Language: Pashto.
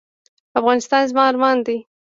افغانستان زما ارمان دی